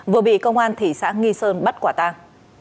vừa bị công an thị xã nghi sơn bắt quả tang